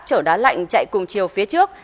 chở đá lạnh chạy cùng chiều phía trước